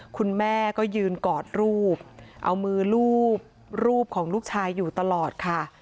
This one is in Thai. คุณแม่ก็ยืนกอดรูปเอามือรูปรูปของลูกชายอยู่ตลอดค่ะ